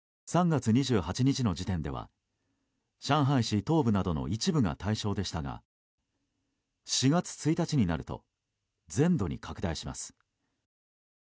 ３月２８日の時点では上海市東部などの一部が対象でしたが４月１日になると全土に拡大します。